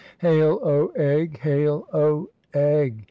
Hail, O Egg! "Hail, O Egg